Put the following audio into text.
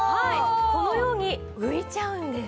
このように浮いちゃうんです！